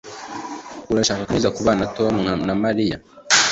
Urashaka ko nkomeza kubana na Tom na Mary?